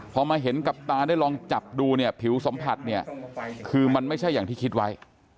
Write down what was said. พอมาเห็นกับตาได้ลองจับดูเนี่ยผิวสัมผัสเนี่ยคือมันไม่ใช่อย่างที่คิดไว้